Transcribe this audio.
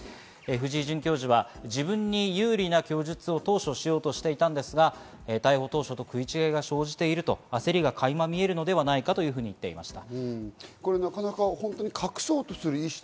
藤井准教授は自分に有利な供述を当初しようとしていたんですが、逮捕当初と食い違いが生じていると焦りが垣間見えるのではないかというふうに言っていました。